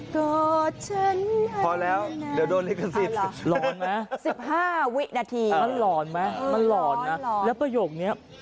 กอดฉันให้นานพอแล้วเดี๋ยวโดนลิขสิทธิ์